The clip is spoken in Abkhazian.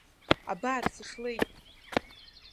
Абар сышлеит!